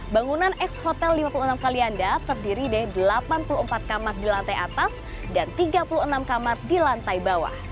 bangunan ex hotel lima puluh enam kalianda terdiri dari delapan puluh empat kamar di lantai atas dan tiga puluh enam kamar di lantai bawah